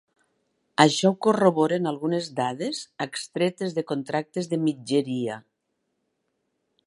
Això ho corroboren algunes dades extretes de contractes de mitgeria.